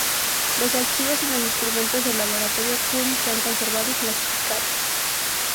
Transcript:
Los archivos y los instrumentos del laboratorio Curie se han conservado y clasificado.